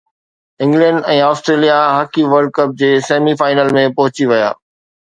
England ۽ Australia hockey world cup جي semi final ۾ پهچي ويا